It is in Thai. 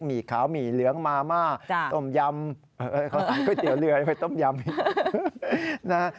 หมีขาวหมีเหลืองมาม่าดมยำ